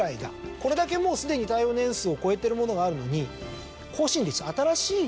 これだけもうすでに耐用年数を超えてるものがあるのに。